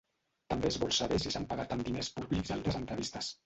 També es vol saber si s’han pagat amb diners públics altres entrevistes.